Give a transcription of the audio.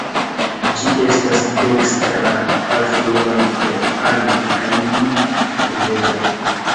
Ĝi estas dekstra alfluanto al Ain (rivero).